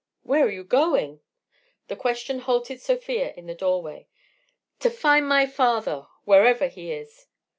"Where are you going?" The question halted Sofia in the doorway. "To find my father—wherever he is!"